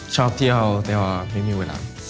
ชอบเที่ยวไม่มีเวลา